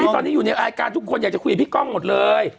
ตอนนี้อยู่ในรายการทุกคนอยากจะคุยกับพี่ก้องหมดเลย